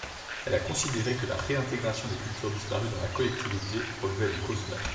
Elle a considéré que « la réintégration des cultures disparues dans une collectivité » relevait du COSDA.